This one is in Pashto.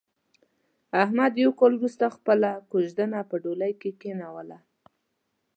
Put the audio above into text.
احمد یو کال ورسته خپله کوزدنه په ډولۍ کې کېنوله.